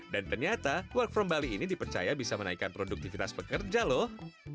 dan ternyata work from bali ini dipercaya bisa menaikkan produktivitas pekerja loh